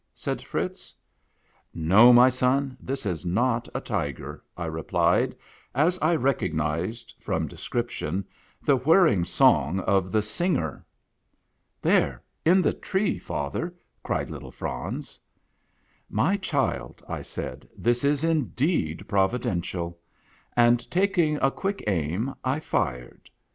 " said Fritz. " No, my son ; this is not a tiger," I replied, as I recognized, from description, the whirring song of the Singer. " There, in the tree, father," cried little Franz. "My child," I said, "this is indeed providential." And, taking a quick aim, I fired.